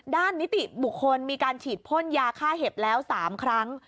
นิติบุคคลมีการฉีดพ่นยาฆ่าเห็บแล้ว๓ครั้ง